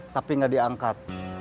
tapi nggak diangkat